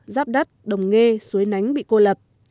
giáp đất đồng nghê suối nánh bị cô lập